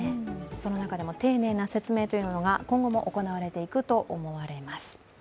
その中でも丁寧な説明というのが今後も行われていくと思います。